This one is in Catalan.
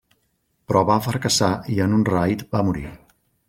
Però va fracassar i en un raid va morir.